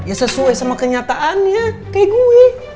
ya sesuai sama kenyataannya kayak gue